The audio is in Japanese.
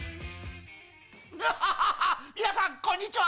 皆さん、こんにちは。